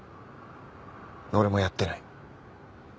俺もやってない。